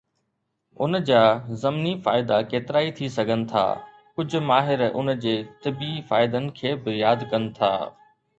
ان جا ضمني فائدا ڪيترائي ٿي سگهن ٿا، ڪجهه ماهر ان جي طبي فائدن کي به ياد ڪن ٿا.